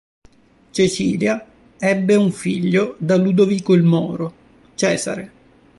Cecilia ebbe un figlio da Ludovico il Moro, Cesare.